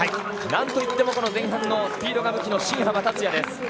何といっても前半のスピードが武器の新濱立也です。